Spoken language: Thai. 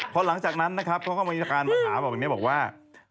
พอหลังจากนั้นนะครับเขาก็มีการหาบอกว่า